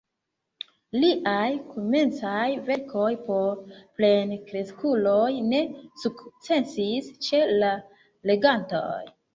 Liaj komencaj verkoj por plenkreskuloj ne sukcesis ĉe la legantoj.